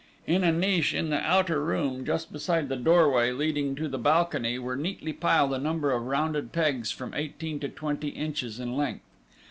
In a niche in the outer room, just beside the doorway leading to the balcony, were neatly piled a number of rounded pegs from eighteen to twenty inches in length.